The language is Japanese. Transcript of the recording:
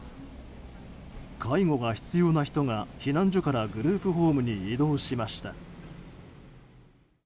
介護が必要な人が避難所からグループホームに移動しました。